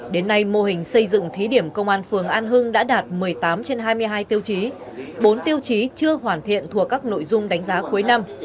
đến nay mô hình xây dựng thí điểm công an phường an hưng đã đạt một mươi tám trên hai mươi hai tiêu chí bốn tiêu chí chưa hoàn thiện thuộc các nội dung đánh giá cuối năm